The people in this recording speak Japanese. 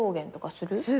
する。